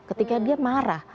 ketika dia marah